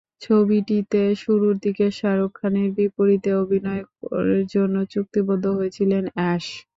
ছবিটিতে শুরুর দিকে শাহরুখ খানের বিপরীতে অভিনয়ের জন্য চুক্তিবদ্ধ হয়েছিলেন অ্যাশ।